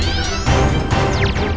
aku akan mencari makanan yang lebih enak